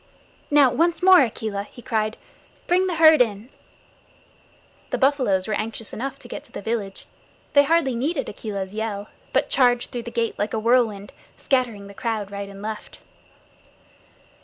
"Now, once more, Akela," he cried. "Bring the herd in." The buffaloes were anxious enough to get to the village. They hardly needed Akela's yell, but charged through the gate like a whirlwind, scattering the crowd right and left.